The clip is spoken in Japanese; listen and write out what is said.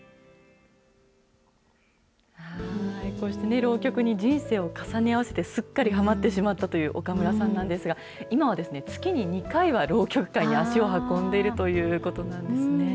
こうして、浪曲に人生を重ね合わせて、すっかりはまってしまったという岡村さんなんですが、今は、月に２回は浪曲会に足を運んでいるということなんですね。